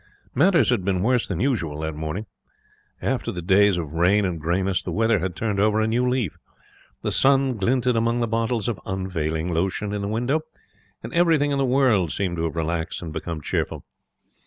Matters had been worse than usual that morning. After days of rain and greyness the weather had turned over a new leaf. The sun glinted among the bottles of Unfailing Lotion in the window, and everything in the world seemed to have relaxed and become cheerful.